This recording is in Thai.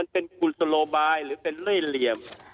เป็นกุศโลบายหรือเป็นเล่เหลี่ยม